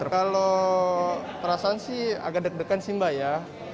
kalau perasaan sih agak deg degan sih mbak ya